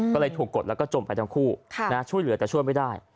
ก็เลยถูกกดแล้วก็จมไปทั้งคู่ช่วยเหลือแต่ช่วยไม่ได้